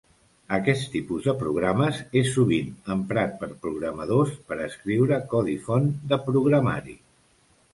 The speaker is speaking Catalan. Aquest tipus de programes és sovint emprat per programadors per escriure codi font de programari.